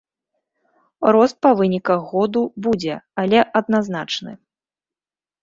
Рост па выніках году будзе, але адназначны.